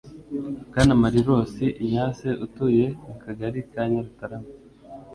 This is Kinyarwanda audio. bwana malirosi ignace utuye mu kagari ka nyarutarama